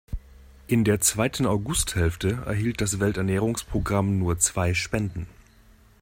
In der zweiten Augusthälfte erhielt das Welternährungsprogramm nur zwei Spenden.